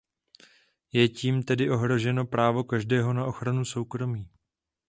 Je tím tedy ohroženo právo každého na ochranu soukromí.